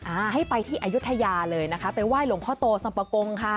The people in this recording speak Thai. อ่าให้ไปที่อายุทยาเลยนะคะไปไหว้หลวงพ่อโตสัมปะกงค่ะ